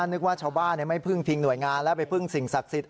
นึกว่าชาวบ้านไม่พึ่งพิงหน่วยงานแล้วไปพึ่งสิ่งศักดิ์สิทธิ